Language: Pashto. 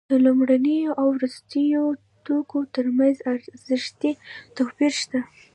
د لومړنیو او وروستیو توکو ترمنځ ارزښتي توپیر شته